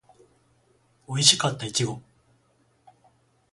おいしかったいちご